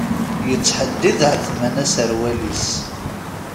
Yettḥeddid Ԑetman aserwal-is.